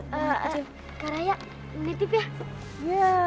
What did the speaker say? kak raya menitip ya